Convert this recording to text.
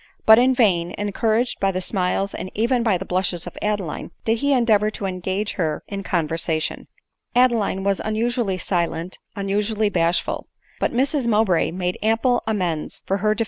But in vain, encouraged by the smiles and even by the blushes of AdeKne, did he endeavor to engage her in con versation. Adeline was unusually silent, unusually bash ful. But Mrs Mowbray made ample amends for her de *« 28 ADELINE MOWBRAY.